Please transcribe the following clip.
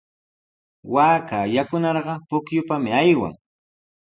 Waaka yakunarqa pukyupami aywan.